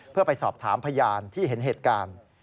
เพื่อไปสอบถามพยานที่เห็นเหตุการณ์